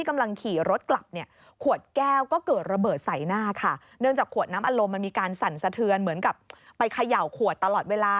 มีการสั่นสะเทือนเหมือนกับไปเขย่าขวดตลอดเวลา